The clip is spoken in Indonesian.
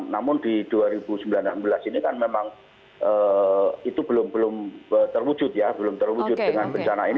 namun di dua ribu sembilan belas ini kan memang itu belum terwujud ya belum terwujud dengan bencana ini